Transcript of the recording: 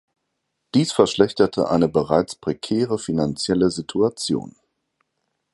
Dies verschlechterte eine bereits prekäre finanzielle Situation.